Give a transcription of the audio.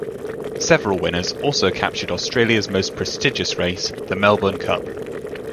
Several winners also captured Australia's most prestigious race, the Melbourne Cup.